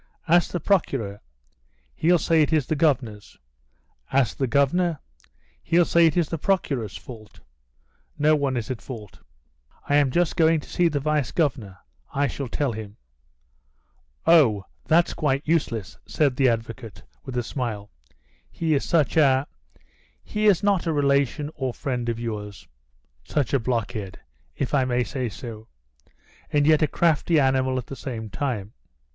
"Ask the Procureur, he'll say it is the Governor's; ask the Governor, he'll say it is the Procureur's fault. No one is in fault." "I am just going to see the Vice Governor. I shall tell him." "Oh, that's quite useless," said the advocate, with a smile. "He is such a he is not a relation or friend of yours? such a blockhead, if I may say so, and yet a crafty animal at the same time."